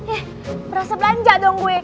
eh merasa belanja dong gue